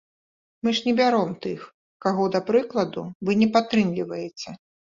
Мы ж не бяром тых, каго, да прыкладу, вы не падтрымліваеце.